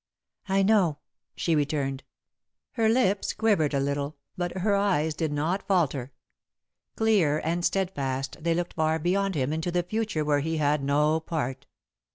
"I know," she returned. Her lips quivered a little, but her eyes did not falter. Clear and steadfast they looked far beyond him into the future where he had no part.